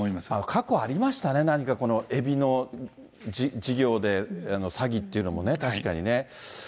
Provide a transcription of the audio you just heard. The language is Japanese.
過去ありましたね、何かこの、エビの事業で詐欺っていうのもね、確かにね。